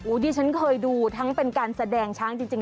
ที่ฉันเคยดูทั้งเป็นการแสดงช้างจริง